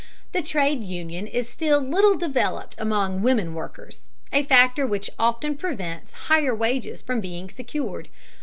The trade union is still little developed among women workers, a factor which often prevents higher wages from being secured.